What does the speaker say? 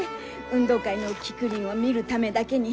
運動会のキクリンを見るためだけに。